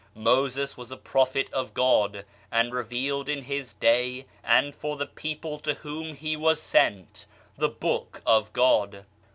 Moses was a prophet of God, and revealed in his day and for the people to whom he was sent, the Book of God.